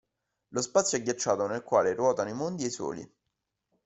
Lo spazio agghiacciato nel quale ruotano i mondi e i soli.